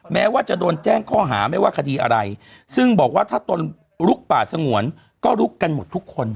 แม้ว่าจะโดนแจ้งข้อหาไม่ว่าคดีอะไรซึ่งบอกว่าถ้าตนลุกป่าสงวนก็ลุกกันหมดทุกคน